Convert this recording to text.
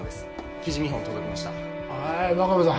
生地見本届きました真壁さん